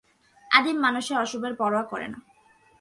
আদিম মানুষ অশুভের পরোয়া করে না।